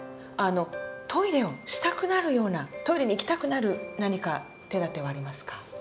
あのトイレをしたくなるようなトイレに行きたくなる何か手だてはありますか。